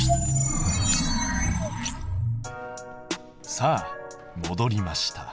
さあもどりました。